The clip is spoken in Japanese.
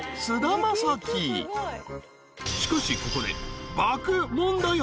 ［しかしここで］